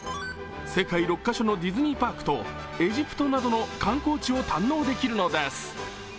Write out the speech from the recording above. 世界６カ所のディズニーパークとエジプトなどの観光地を堪能できるのです。